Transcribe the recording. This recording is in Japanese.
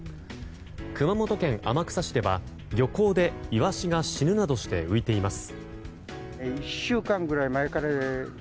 熊本県天草市では、漁港でイワシが死ぬなどして浮いています。